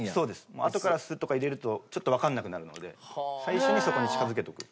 もうあとから酢とか入れるとちょっとわかんなくなるので最初にそこに近付けとく。